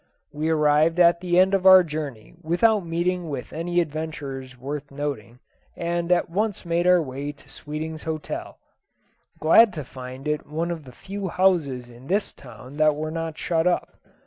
We arrived at the end of our journey without meeting with any adventures worth noting, and at once made our way to Sweeting's hotel, glad to find it one of the few houses in this town that were not shut up.